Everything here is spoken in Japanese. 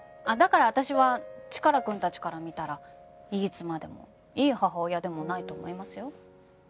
だから私はチカラくんたちから見たらいい妻でもいい母親でもないと思いますよ。